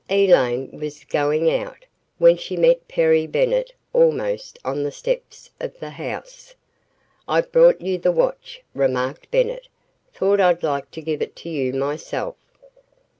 Elaine was going out, when she met Perry Bennett almost on the steps of the house. "I've brought you the watch," remarked Bennett; "thought I'd like to give it to you myself."